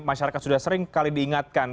masyarakat sudah seringkali diingatkan